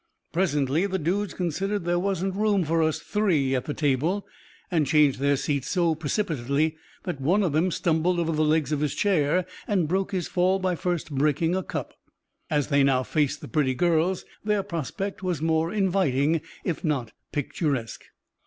Presently the dudes considered there wasn't room for us three at the table, and changed their seats so precipitately that one of them stumbled over the legs of his chair and broke his fall by first breaking a cup. As they now faced the pretty girls, their prospect was more inviting, if not picturesque.